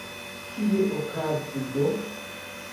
Kio okazu do?